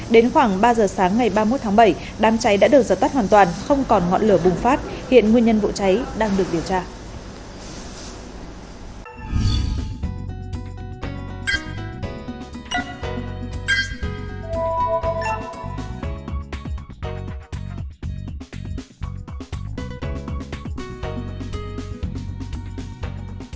đến khoảng ba giờ sáng ngày ba mươi một tháng bảy đám cháy đã được giật tắt hoàn toàn không còn ngọn lửa bùng phát hiện nguyên nhân vụ cháy đang được điều tra